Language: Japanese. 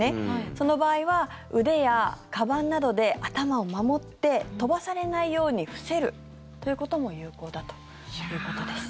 その場合は腕やかばんなどで頭を守って飛ばされないように伏せるということも有効だということです。